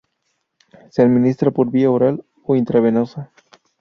Se administra por vía oral o intravenosa.